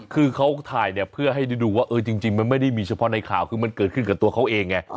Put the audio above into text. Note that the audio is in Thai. คือเขาถ่ายเนี่ยเพื่อให้ได้ดูว่าเออจริงมันไม่ได้มีเฉพาะในข่าวคือมันเกิดขึ้นกับตัวเขาเองไง